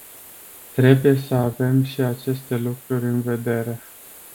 Trebuie să avem și aceste lucruri în vedere.